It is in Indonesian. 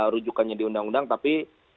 rujukannya di undang undang tapi